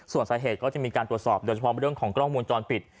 ส่วนสาเหตุก็จะมีการตรวจสอบโดยเฉพาะเรื่องของกล้องวงจรปิด